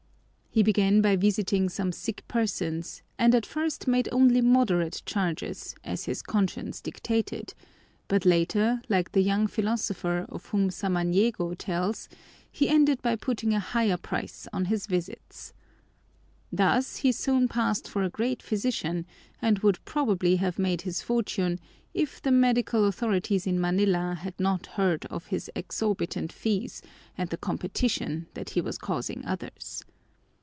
He began by visiting some sick persons, and at first made only moderate charges, as his conscience dictated, but later, like the young philosopher of whom Samaniego tells, he ended by putting a higher price on his visits. Thus he soon passed for a great physician and would probably have made his fortune if the medical authorities in Manila had not heard of his exorbitant fees and the competition that he was causing others.